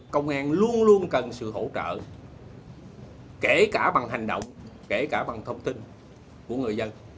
công an luôn luôn cần sự hỗ trợ kể cả bằng hành động kể cả bằng thông tin của người dân